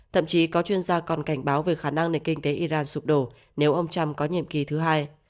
thậm chí có chuyên gia còn cảnh báo về khả năng nền kinh tế iran sụp đổ nếu ông trump có nhiệm kỳ thứ hai